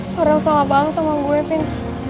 farel salah paham sama gue pin